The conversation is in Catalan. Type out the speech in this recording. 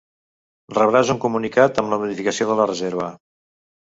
Rebràs un comunicat amb la modificació de la reserva.